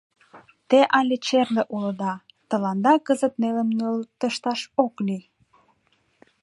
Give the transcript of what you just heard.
— Те але черле улыда, тыланда кызыт нелым нӧлтышташ ок лий.